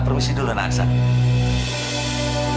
permisi dulu anak aksan